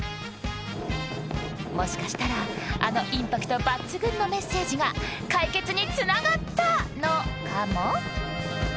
もしかしたら、あのインパクト抜群のメッセージが解決につながったのかも？